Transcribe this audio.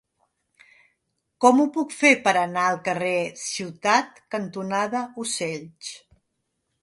Com ho puc fer per anar al carrer Ciutat cantonada Ocells?